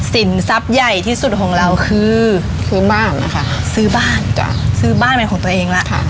สินทรัพย์ใหญ่ที่สุดของเราคือซื้อบ้านนะคะซื้อบ้านจ้ะซื้อบ้านเป็นของตัวเองแล้วค่ะ